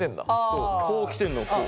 そうこう来てんのをこう。